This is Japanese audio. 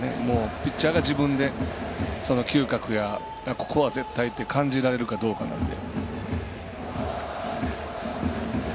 ピッチャーが自分で嗅覚や、ここは絶対って感じられるかどうかなんで。